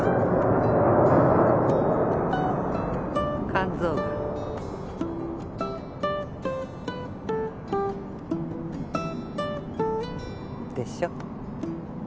肝臓ガン。でしょ？